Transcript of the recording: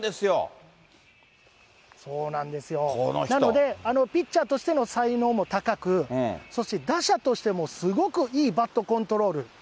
なので、ピッチャーとしての才能も高く、そして打者としてもすごくいいバットコントロール。